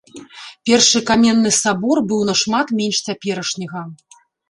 Першы каменны сабор быў нашмат менш цяперашняга.